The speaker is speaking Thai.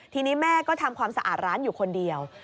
ทีนี้แม่ก็ทำความสะอาดร้านอยู่คนเดียว